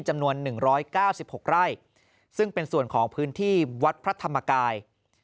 จำนวน๑๙๖ไร่ซึ่งเป็นส่วนของพื้นที่วัดพระธรรมกาย